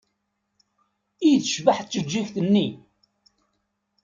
I tecbeḥ tjeǧǧigt-nni!